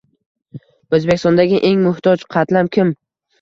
O'zbekistondagi eng muhtoj qatlam kim?